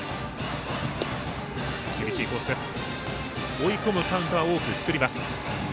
追い込むカウントは多く作ります。